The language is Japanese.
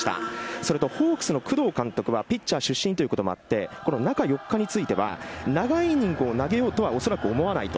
それと、ホークスの工藤監督はピッチャー出身ということもあって中４日については長いイニングを投げようとは思わないと。